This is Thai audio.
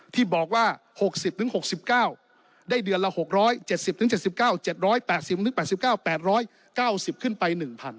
ที่บอกว่า๖๐ถึง๖๙ได้เดือนละ๖๐๐๗๐ถึง๗๙๗๐๐๘๐ถึง๘๙๘๐๐๙๐ขึ้นไป๑๐๐๐